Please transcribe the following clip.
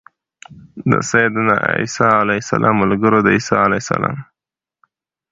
د سيّدنا عيسی عليه السلام ملګرو د عيسی علیه السلام